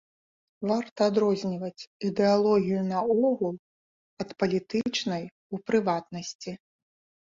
Варта адрозніваць ідэалогію наогул, ад палітычнай у прыватнасці.